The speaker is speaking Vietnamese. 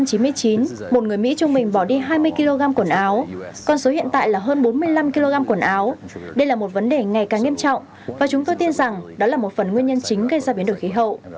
vào năm một nghìn chín trăm chín mươi chín một người mỹ trung bình bỏ đi hai mươi kg quần áo còn số hiện tại là hơn bốn mươi năm kg quần áo đây là một vấn đề ngày càng nghiêm trọng và chúng tôi tin rằng đó là một phần nguyên nhân chính gây ra biến đổi khí hậu